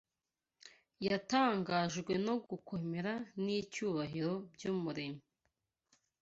yatangajwe no gukomera n’icyubahiro by’Umuremyi